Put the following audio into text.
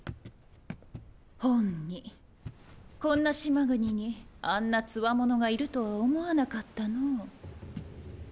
ほんにこんな島国にあんな強者がいるとは思わなかったのう。